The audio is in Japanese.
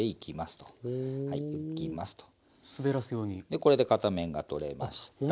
でこれで片面が取れました。